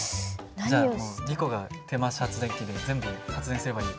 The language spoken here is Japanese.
じゃあリコが手回し発電機で全部発電すればいいよ。